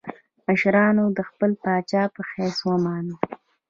مشرانو د خپل پاچا په حیث ومانه.